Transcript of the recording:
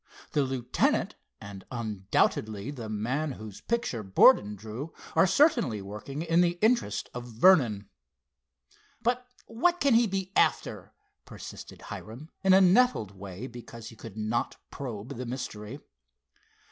The lieutenant, and undoubtedly the man whose picture Borden drew, are certainly working in the interest of Vernon." "But what can he be after?" persisted Hiram, in a nettled way because he could not probe the mystery.